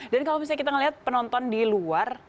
dan kalau misalnya kita ngelihat penonton di luar